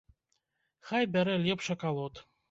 Хай бярэ лепш акалот.